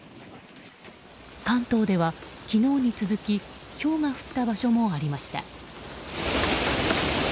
関東では昨日に続きひょうが降った場所もありました。